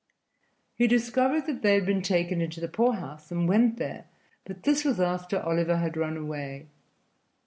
He discovered that they had been taken into the poorhouse, and went there, but this was after Oliver had run away.